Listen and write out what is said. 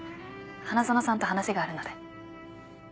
花園さんと話があるので。